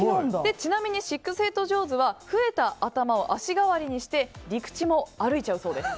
ちなみにシックスヘッド・ジョーズは増えた頭を足代わりにして陸地も歩いちゃうそうです。